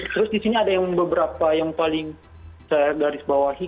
terus di sini ada yang beberapa yang paling saya garis bawahi